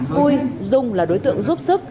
vui dung là đối tượng giúp sức